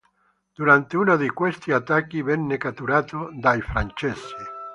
Durante uno di questi attacchi venne catturato dai francesi.